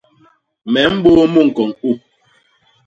Me mbôô mu ñkoñ u.